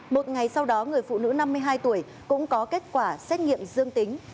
một ngày sau đó người phụ nữ năm mươi hai tuổi cũng có kết quả xét nghiệm dương tính